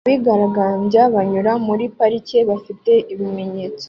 Abigaragambyaga banyura muri parike bafite ibimenyetso